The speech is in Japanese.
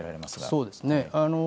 そうですね。